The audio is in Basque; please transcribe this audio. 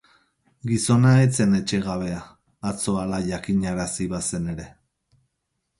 Gizona ez zen etxegabea, atzo hala jakinarazi bazen ere.